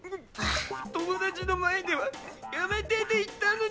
友達の前ではやめてって言ったのに。